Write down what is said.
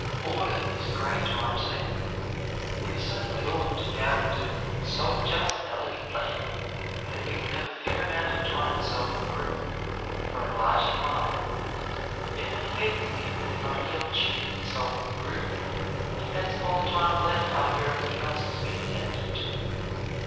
Order is a great time saver, and we certainly ought to be able to so adjust our living plan that we can have a fair amount of time for self improvement, for enlarging life. Yet many people think that their only opportunity for self improvement depends upon the time left after everything else has been attended to.